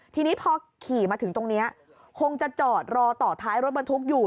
ทีนี้พอขี่มาถึงตรงนี้คงจะจอดรอต่อท้ายรถบรรทุกอยู่